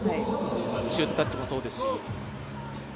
シュートタッチもそうですし。